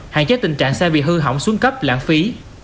hạn chế tình trạng xe bị hư hỏng xuống cấp lãng phí